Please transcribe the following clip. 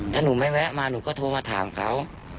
ถ้าหนูไม่แวะมาหนูก็โทรมาถามเขา